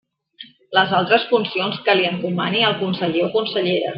Les altres funcions que li encomani el conseller o consellera.